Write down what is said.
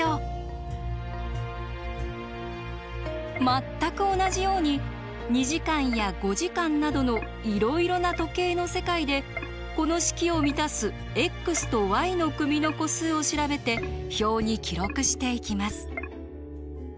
全く同じように２時間や５時間などのいろいろな時計の世界でこの式を満たすｘとｙの組の個数を調べて表に記録していきます。